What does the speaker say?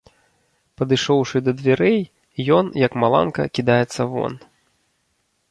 Падышоўшы да дзвярэй, ён, як маланка, кідаецца вон.